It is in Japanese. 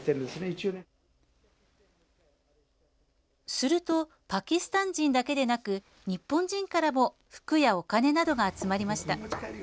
するとパキスタン人だけでなく日本人からも服やお金などが集まりました。